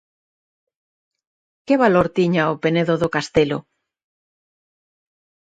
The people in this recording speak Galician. Que valor tiña o Penedo do Castelo?